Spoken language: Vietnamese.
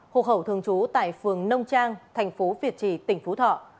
hộ khẩu thường trú tại phường nông trang thành phố việt trì tỉnh phú thọ